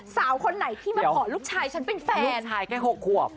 สาวคนไหนที่มาขอลูกชายฉันเป็นแฟนชายแค่๖ขวบ